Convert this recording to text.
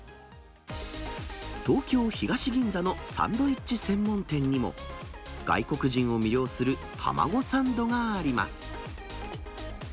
東京・東銀座のサンドイッチ専門店にも、外国人を魅了する卵サンドがあります。